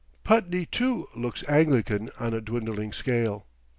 Putney, too, looks Anglican on a dwindling scale.